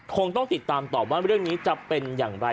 คงต้องติดตามตอบว่าเรื่องนี้จะเป็นอย่างไร